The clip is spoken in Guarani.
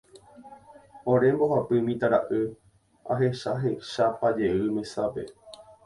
ore mbohapy mitãra'y ahechahechapajey mesápe.